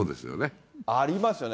ありますよね。